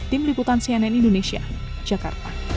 tim liputan cnn indonesia jakarta